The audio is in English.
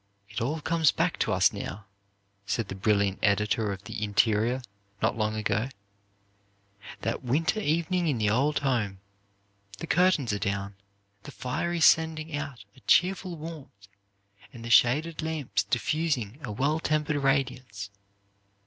"It all comes back to us now," said the brilliant editor of the "Interior" not long ago, "that winter evening in the old home. The curtains are down, the fire is sending out a cheerful warmth and the shaded lamps diffusing a well tempered radiance.